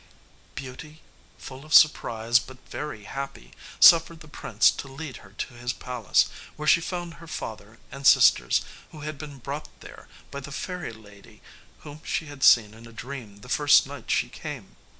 Beauty, full of surprise, but very happy, suffered the prince to lead her to his palace, where she found her father and sisters, who had been brought there by the fairy lady whom she had seen in a dream the first night she came.